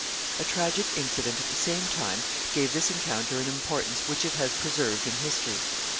A tragic incident at the same time gave this encounter an importance which it has preserved in history.